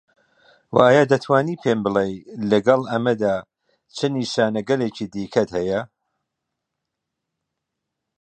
و ئایا دەتوانی پێم بڵێی لەگەڵ ئەمەدا چ نیشانەگەلێکی دیکەت هەیە؟